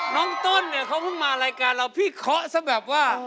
ต้นเนี่ยเขาเพิ่งมารายการเราพี่เคาะซะแบบว่า